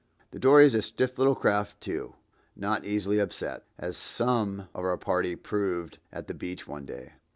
The dory is a stiff little craft, too, not easily upset, as some of our party proved at the beach one day.